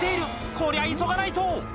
こりゃ、急がないと。